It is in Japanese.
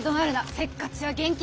せっかちは厳禁。